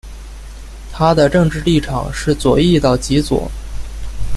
它的政治立场是左翼到极左。